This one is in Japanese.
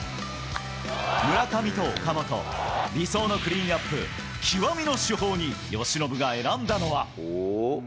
村上と岡本、理想のクリーンアップ、極みの主砲に由伸が選んだのは？